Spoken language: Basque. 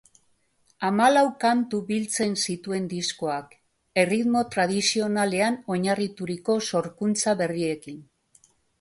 Hamalau kantu biltzen zituen diskoak, erritmo tradizionalean oinarrituriko sorkuntza berriekin.